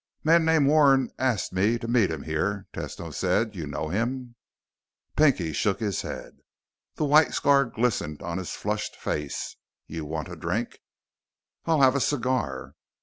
"Man named Warren asked me to meet him here," Tesno said. "You know him?" Pinky shook his head. The white scar glistened on his flushed face. "You want a drink?" "I'll have a cigar."